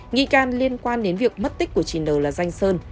nghi can liên quan đến việc mất tích của chị nờ là danh sơn